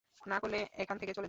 না করলে এখান থেকে চলে যাও।